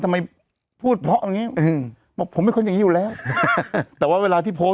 ทำไมพูดเพราะอย่างงี้อืมบอกผมเป็นคนอย่างงี้อยู่แล้วแต่ว่าเวลาที่โพสต์